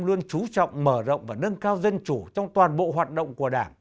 luôn chú trọng mở rộng và nâng cao dân chủ trong toàn bộ hoạt động của đảng